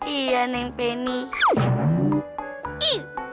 iya neng feni